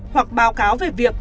hoặc báo cáo về việc